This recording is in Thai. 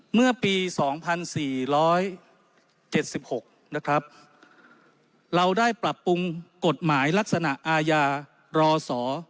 เมื่อปีสองพันสี่ร้อยเก็ดสิบหกนะครับเราได้ปรับปรุงกฎหมายลักษณะอาญารอสอ